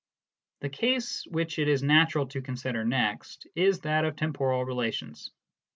The case which it is natural to consider next is that of temporal relations.